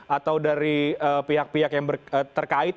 atau dari pihak pihak yang terkait